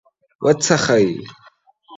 .وڅښئ